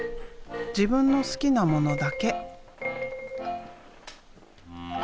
自分の好きなものだけ。